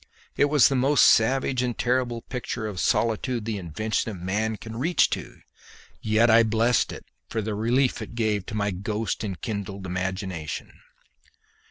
It was the most savage and terrible picture of solitude the invention of man could reach to, yet I blessed it for the relief it gave to my ghost enkindled imagination.